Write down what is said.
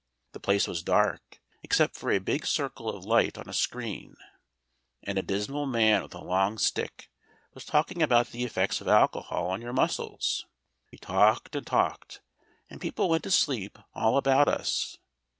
The place was dark, except for a big circle of light on a screen, and a dismal man with a long stick was talking about the effects of alcohol on your muscles. He talked and talked, and people went to sleep all about us.